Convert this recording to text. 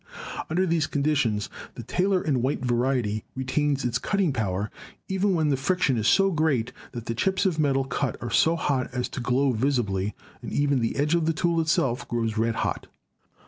Under these conditions the Taylor and White variety retains its cutting power even when the friction is so great that the chips of metal cut are so hot as to glow visibly, and even the edge of the tool itself grows red hot.